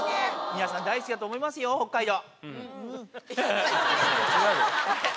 皆さん、大好きだと思いますよ、北海道。